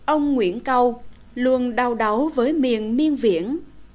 ông nguyễn câu luôn đau đáu với miền miên viễn